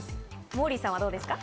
モーリーさんはどうですか？